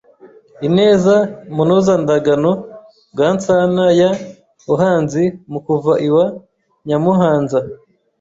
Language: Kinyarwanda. ineza Munozandagano bwa Nsana ya uhanzi Mukuva iwa Nyamuhanza